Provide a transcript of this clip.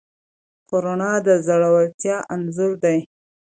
خو رڼا د زړورتیا انځور دی.